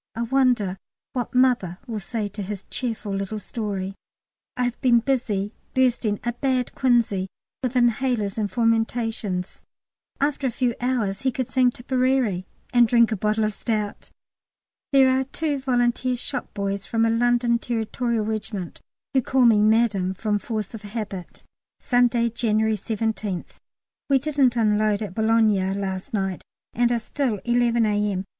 I wonder what "Mother" will say to his cheerful little story. I have been busy bursting a bad quinsy with inhalers and fomentations. After a few hours he could sing Tipperary and drink a bottle of stout! There are two Volunteer shop boys from a London Territorial Regiment, who call me "Madam" from force of habit. Sunday, January 17th. We didn't unload at Boulogne last night, and are still (11 A.M.)